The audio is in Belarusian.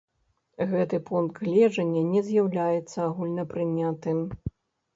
Гэты пункт гледжання не з'яўляецца агульнапрынятым.